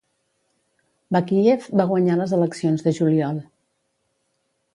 Bakiyev va guanyar les eleccions de juliol.